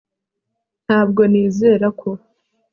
Ntabwo nizera ko